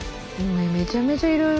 めちゃめちゃいろいろ。